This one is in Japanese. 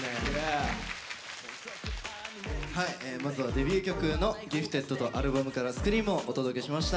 まずはデビュー曲の「Ｇｉｆｔｅｄ．」とアルバムから「Ｓｃｒｅａｍ」をお届けしました。